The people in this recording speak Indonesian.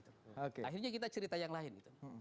akhirnya kita cerita yang lain